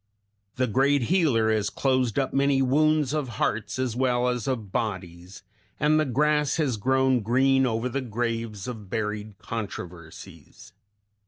The Great Healer has closed up many wounds of hearts as well as of bodies, and the grass has grown green over the graves of buried controversies.